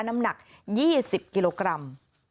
น้ำหนัก๒๐กิโลกรัม